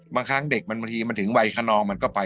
บางครั้งเด็กมันบางทีถึงวัยคณองมันก็ไป